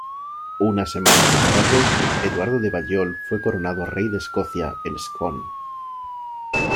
Unas semanas más tarde, Eduardo de Balliol fue coronado rey de Escocia en Scone.